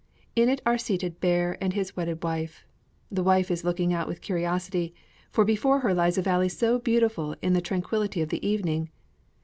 In it are seated Bear and his wedded wife. The wife is looking out with curiosity, for before her lies a valley so beautiful in the tranquillity of evening!